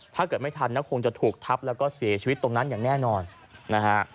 ถ้าเกิดไม่ทันนะคงจะถูกทับแล้วก็เสียชีวิตตรงนั้นอย่างแน่นอนนะฮะ